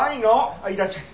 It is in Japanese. あっいらっしゃい。